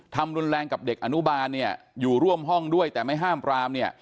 ทำรุนแรงกับเด็กอนุบาลเนี่ยอยู่ร่วมห้องด้วยแต่ไม่ห้ามปรามเนี่ย